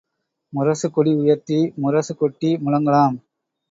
முரசுக் கொடி உயர்த்தி முரசு கொட்டி முழங்கலாம்.